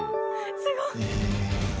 すごい。